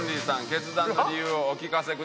決断の理由をお聞かせください。